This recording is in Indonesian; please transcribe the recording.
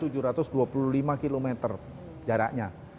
jakarta surabaya itu hanya tujuh ratus dua puluh lima km jaraknya